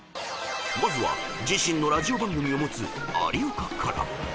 ［まずは自身のラジオ番組を持つ有岡から］